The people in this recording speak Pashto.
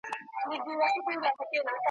ځکه ژوند هغسي نه دی په ظاهره چي ښکاریږي ,